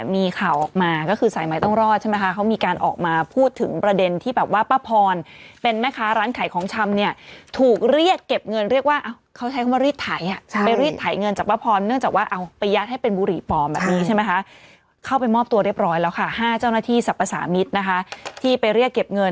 มีข่าวออกมาก็คือสายใหม่ต้องรอดใช่ไหมคะเขามีการออกมาพูดถึงประเด็นที่แบบว่าป้าพรเป็นแม่ค้าร้านขายของชำเนี่ยถูกเรียกเก็บเงินเรียกว่าเขาใช้คำว่ารีดไถอ่ะไปรีดไถเงินจากป้าพรเนื่องจากว่าเอาไปยัดให้เป็นบุหรี่ปลอมแบบนี้ใช่ไหมคะเข้าไปมอบตัวเรียบร้อยแล้วค่ะ๕เจ้าหน้าที่สรรพสามิตรนะคะที่ไปเรียกเก็บเงิน